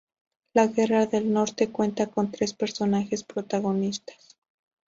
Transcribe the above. La Guerra del Norte cuenta con tres personajes protagonistas.